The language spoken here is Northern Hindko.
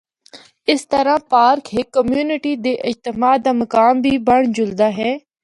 اس طرح پارک ہک کمیونٹی دے اجتماع دا مقام بھی بنڑ جلدا ہے۔